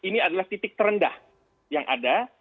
ini adalah titik terendah yang ada